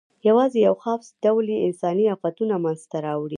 یواځې یو خاص ډول یې انساني آفتونه منځ ته راوړي.